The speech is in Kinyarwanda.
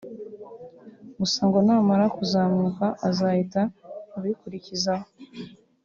gusa ngo namara kuzamuka azahita abikurikizaho